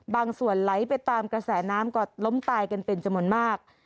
บางส่วนไหลไปตามกระแสน้ำก็ล้มตายกันเป็นจำนวนมาก